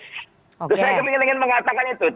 saya ingin mengatakan itu